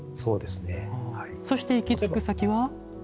そして行き着く先は？